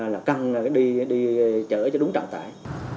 là căng đi chở cho đúng trạng tải